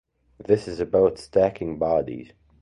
This is about stacking bodies.